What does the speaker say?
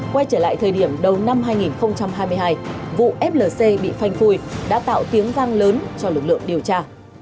quay trở lại thời điểm đầu năm hai nghìn hai mươi hai vụ flc bị phanh phui đã tạo tiếng vang lớn cho lực lượng điều tra